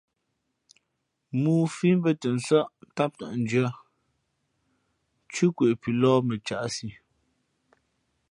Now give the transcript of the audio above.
Mōō fǐ mbᾱtαnsάʼ ntám tαʼ ndʉ̄ᾱ nthʉ́ nkwe pʉ lōh mα caʼsi.